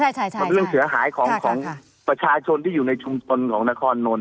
มันเรื่องเสียหายของประชาชนที่อยู่ในชุมชนของนครนนท